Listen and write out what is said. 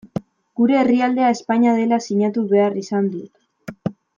Gure herrialdea Espainia dela sinatu behar izan dut.